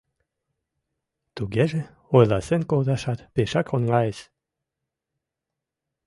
Тугеже ойласен колташат пешак оҥайыс.